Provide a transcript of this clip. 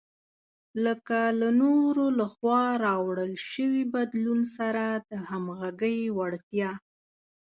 لکه له نورو لخوا راوړل شوي بدلون سره د همغږۍ وړتیا.